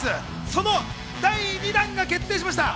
その第２弾が決定しました。